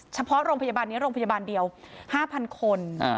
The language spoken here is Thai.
เฉพาะโรงพยาบาลนี้โรงพยาบาลเดียว๕๐๐คน